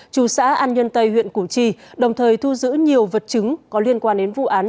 trù xã an nhân tây huyện củ chi đồng thời thu giữ nhiều vật chứng có liên quan đến vụ án